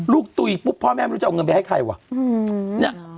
ลูกตุ้ยปุ๊บพ่อแม่ไม่รู้จะเอาเงินไปให้ใครว่ะอืมเนี่ย